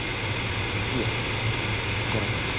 いえいただきます